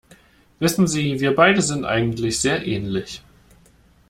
Wissen Sie, wir beide sind eigentlich sehr ähnlich.